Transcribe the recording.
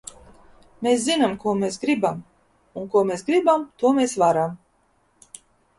Mēs zinām, ko mēs gribam! Un ko mēs gribam, to mēs varam!